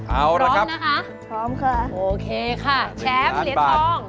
เอาละครับพร้อมค่ะโอเคค่ะแชร์ผลิตทอง